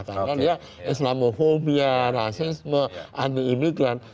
karena ya islamofobia rasisme anti imigran